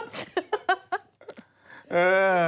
เธอ